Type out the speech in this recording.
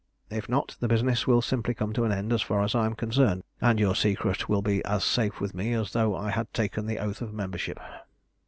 If not, the business will simply come to an end as far as I am concerned, and your secret will be as safe with me as though I had taken the oath of membership."